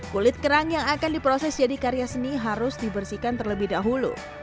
kulit kerang yang akan diproses jadi karya seni harus dibersihkan terlebih dahulu